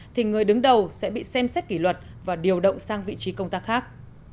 thì người đứng đầu sẽ bị xem xét kỷ luật và điều động sang vị trí công tác khác